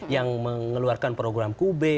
yang mengeluarkan program kube